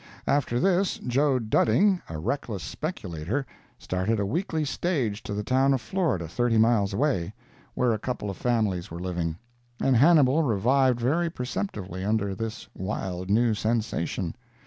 After this, Joe Dudding, a reckless speculator, started a weekly stage to the town of Florida, thirty miles away, where a couple of families were living, and Hannibal revived very perceptibly under this wild new sensation.